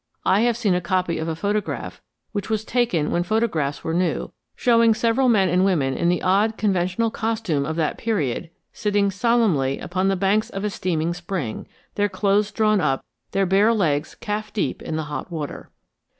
I have seen a copy of a photograph which was taken when photographs were new, showing several men and women in the odd conventional costume of that period sitting solemnly upon the banks of a steaming spring, their clothes drawn up, their bare legs calf deep in the hot water.